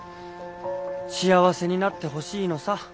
幸せになってほしいのさ。